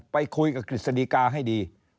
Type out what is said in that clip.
ไปคุยกับกฤษฎีกาให้ดี